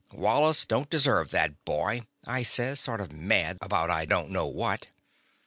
''Wallace don't deserve that boy," I says, sort of mad about I don't know what.